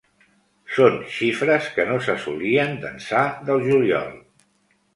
Són xifres que no s’assolien d’ençà del juliol.